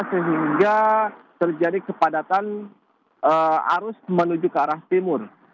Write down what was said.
sehingga terjadi kepadatan arus menuju ke arah timur